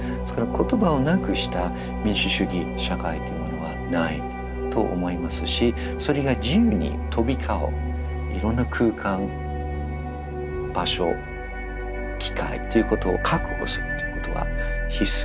言葉をなくした民主主義社会というものはないと思いますしそれが自由に飛び交ういろんな空間場所機会っていうことを確保するっていうことは必須。